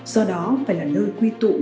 do đó phải là nơi quy tụ